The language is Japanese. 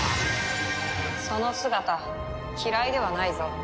その姿嫌いではないぞ。